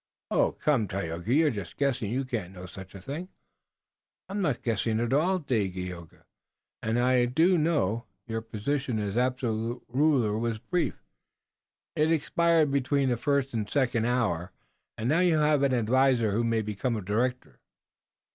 "Come, Tayoga, you're just guessing. You can't know such a thing." "I am not guessing at all, Dagaeoga, and I do know. Your position as absolute ruler was brief. It expired between the first and second hour, and now you have an adviser who may become a director."